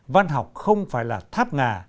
văn học không phải là tháp ngà